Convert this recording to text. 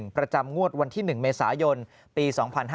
ประจำงวดวันที่๑เมษายนปี๒๕๕๙